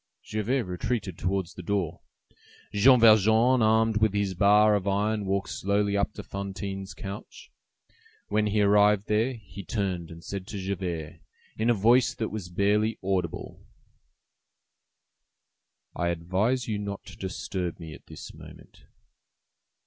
Javert retreated towards the door. Jean Valjean, armed with his bar of iron, walked slowly up to Fantine's couch. When he arrived there he turned and said to Javert, in a voice that was barely audible:— "I advise you not to disturb me at this moment."